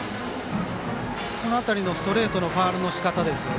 この辺りのストレートのファウルのしかた。